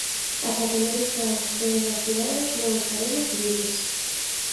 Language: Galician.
Ata que non esteamos todos vacinados non estaremos libres.